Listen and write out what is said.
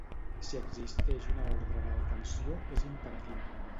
Si existeix una ordre de detenció, és imperativa.